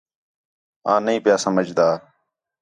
آں نہیں پیا سمجھدا